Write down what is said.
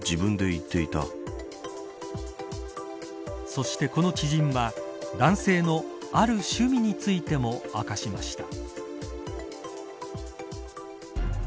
そして、この知人は男性のある趣味についても明かしました。